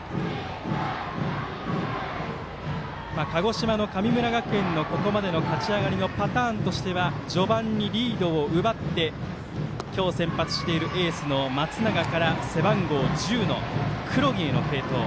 鹿児島の神村学園のここまでの勝ち上がりのパターンとしては序盤にリードを奪って今日、先発しているエースの松永から背番号１０の黒木への継投。